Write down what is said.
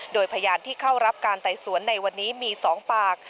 โดยพยานที่เข้ารับการไต่สวนในวันนี้มี๒ปาก